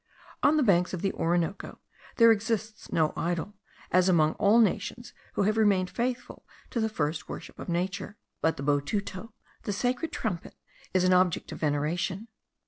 On the banks of the Orinoco there exists no idol, as among all the nations who have remained faithful to the first worship of nature, but the botuto, the sacred trumpet, is an object of veneration.